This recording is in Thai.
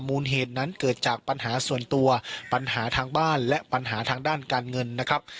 มูลเหตุนั้นเกิดจากปัญหาส่วนตัวปัญหาทางบ้านและปัญหาทางด้านการเงินนะครับ